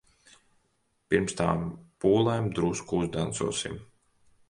Pirms tām pūlēm drusku uzdancosim.